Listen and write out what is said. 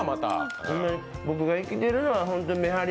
僕が生きてるのは、めはり